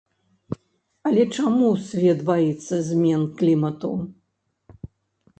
Але чаму свет баіцца змен клімату?